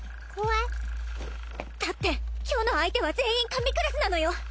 だって今日の相手は全員神クラスなのよ！